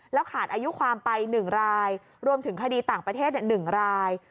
ขาดอายุความไป๑รายรวมถึงคดีต่างประเทศ๑ราย